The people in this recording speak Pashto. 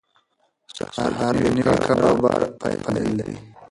سهار د نوي کار او بار پیل دی.